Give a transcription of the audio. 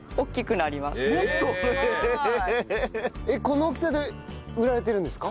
この大きさで売られてるんですか？